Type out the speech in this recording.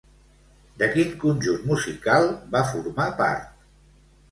De quin conjunt musical va formar part?